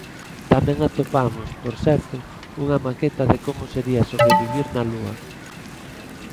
Tamén atopamos, por certo, unha maqueta de como sería sobrevivir na Lúa.